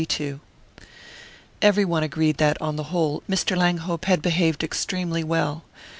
XXXII EVERY one agreed that, on the whole, Mr. Langhope had behaved extremely well.